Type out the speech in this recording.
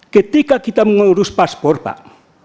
ketika kita mengurus paspor pak